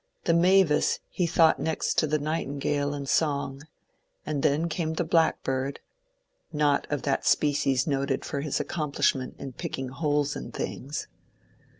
The mavis he thought next to the nightingale in song, and then came the blackbird (^^not of that species noted for his accomplishment in picking holes in things